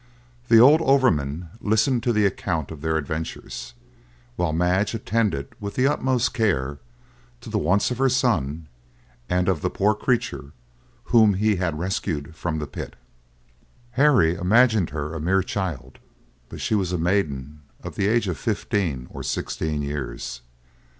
The old overman listened to the account of their adventures, while Madge attended with the utmost care to the wants of her son, and of the poor creature whom he had rescued from the pit. Harry imagined her a mere child, but she was a maiden of the age of fifteen or sixteen years.